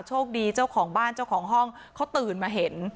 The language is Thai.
โชคดีเจ้าของบ้านเจ้าของห้องเขาตื่นมาเห็น